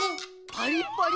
パリッパリ。